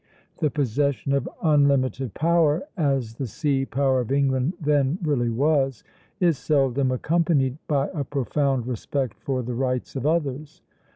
The possession of unlimited power, as the sea power of England then really was, is seldom accompanied by a profound respect for the rights of others.